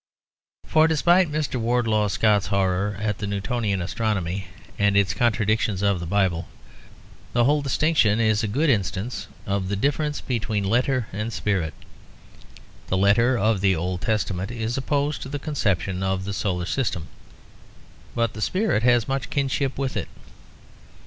For, despite Mr. Wardlaw Scott's horror at the Newtonian astronomy and its contradiction of the Bible, the whole distinction is a good instance of the difference between letter and spirit; the letter of the Old Testament is opposed to the conception of the solar system, but the spirit has much kinship with it.